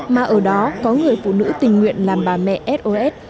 mà ở đó có người phụ nữ tình nguyện làm bà mẹ sos